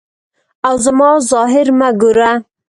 او زما ظاهر مه ګوره.